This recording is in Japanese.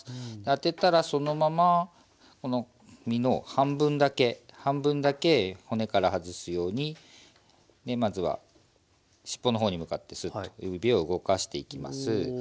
当てたらそのままこの身の半分だけ半分だけ骨から外すようにまずは尻尾の方に向かってすっと指を動かしていきます。